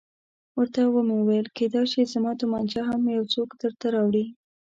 ورته ومې ویل کېدای شي زما تومانچه هم یو څوک درته راوړي.